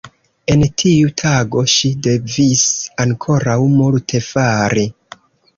En tiu tago ŝi devis ankoraŭ multe fari.